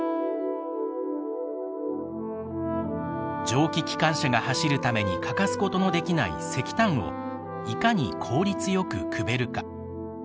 蒸気機関車が走るために欠かすことのできない石炭をいかに効率よくくべるか。